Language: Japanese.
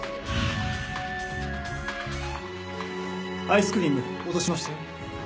アイスクリーム落としましたよ。